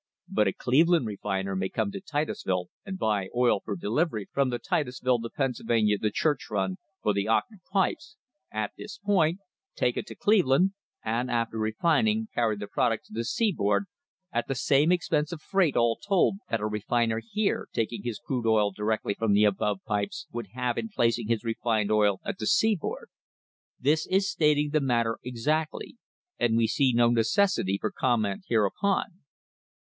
But a Cleveland refiner may come to Titusville and buy oil for delivery from the Titusville, the Pennsylvania, the Church Run, or the Octave pipes, at this point, take it to Cleveland, and, after refining, carry the product to the seaboard at the same expense of freight, all told, that a refiner here, taking his crude oil directly from the above pipes, would have in placing his refined oil at the seaboard. This is stating the matter exactly, and we see no necessity for comment hereupon.